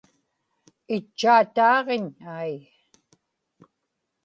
itchaataaġiñ, aiy